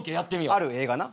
ある映画な。